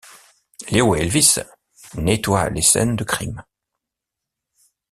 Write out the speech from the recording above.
Leo et Elvis nettoient les scènes de crime.